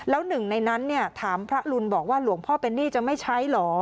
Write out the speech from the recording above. แล้วหนึ่งในนั้นเนี่ยถามพระรุนบอกว่าหลวงพ่อเป็นหนี้จะไม่ใช้เหรอ